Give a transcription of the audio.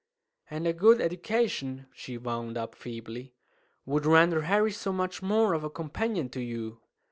"And a good education," she wound up feebly, "would render Harry so much more of a companion to you."